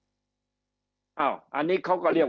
คำอภิปรายของสอสอพักเก้าไกลคนหนึ่ง